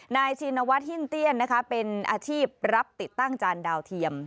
ชินวัฒนหินเตี้ยนนะคะเป็นอาชีพรับติดตั้งจานดาวเทียม